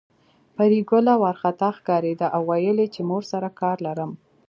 پري ګله وارخطا ښکارېده او ويل يې چې مور سره کار لرم